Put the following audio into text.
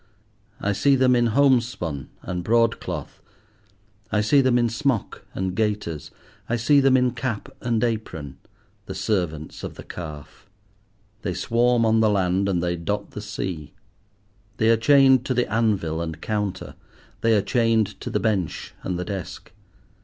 I see them in homespun and broadcloth, I see them in smock and gaiters, I see them in cap and apron, the servants of the Calf. They swarm on the land and they dot the sea. They are chained to the anvil and counter; they are chained to the bench and the desk.